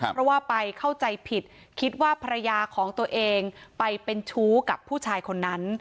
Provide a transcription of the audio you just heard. เพราะว่าไปเข้าใจผิดคิดว่าภรรยาของตัวเองไปเป็นชู้กับผู้ชายคนนั้น